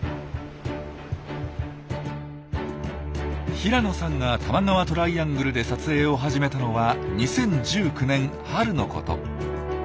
平野さんが多摩川トライアングルで撮影を始めたのは２０１９年春のこと。